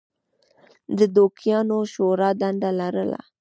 د دوکیانو شورا دنده لرله.